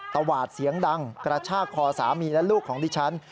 ตวาดเสียงดังกระชากคอสามีและลูกของดิฉัน